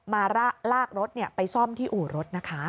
มาลากรถไปซ่อมที่อู่รถนะคะ